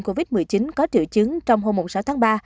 covid một mươi chín có triệu chứng trong hôm sáu tháng ba